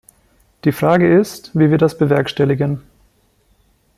Die Frage ist, wie wir das bewerkstelligen.